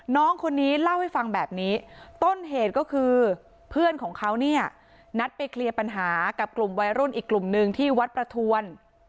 น้องคนนี้เล่าให้ฟังแบบนี้ต้นเหตุก็คือเพื่อนของเขาเนี่ยนัดไปเคลียร์ปัญหากับกลุ่มวัยรุ่นอีกกลุ่มนึงที่วัดประทวน